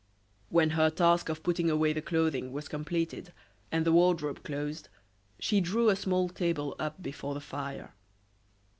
When her task of putting away the clothing was completed and the wardrobe closed, she drew a small table up before the fire.